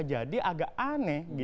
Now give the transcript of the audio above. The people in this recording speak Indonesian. jadi agak aneh